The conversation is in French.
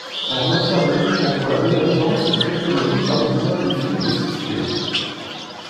En matière de lutte contre la délinquance, cette technologie permet d'identifier des suspects.